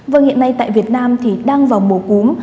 vâng hiện nay tại việt nam thì đang vào mùa cúm